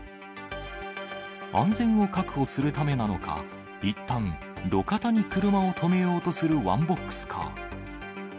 安全を確保するためなのか、いったん、路肩に車を止めようとするワンボックスカー。